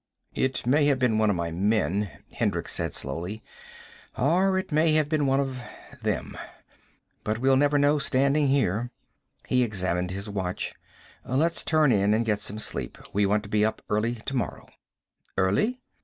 "It may have been one of my men," Hendricks said slowly. "Or it may have been one of them. But we'll never know standing here." He examined his watch. "Let's turn in and get some sleep. We want to be up early tomorrow." "Early?"